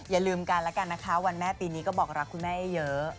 อย่าลืมกันแล้วกันนะคะวันแม่ปีนี้ก็บอกรักคุณแม่เยอะ